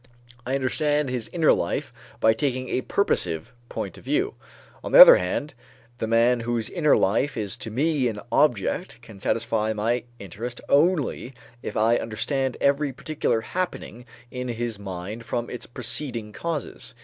I understand his inner life by taking a purposive point of view. On the other hand, the man whose inner life is to me an object can satisfy my interest only if I understand every particular happening in his mind from its preceding causes.